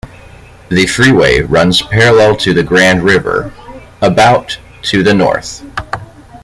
The freeway runs parallel to the Grand River, about to the north.